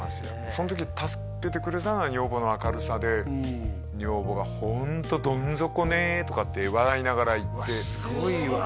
その時助けてくれたのは女房が「本当どん底ね」とかって笑いながら言ってうわ